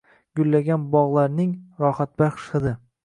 Gullagan bog‘larning rohatbaxsh hidi